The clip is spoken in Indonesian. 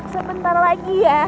sebentar lagi ya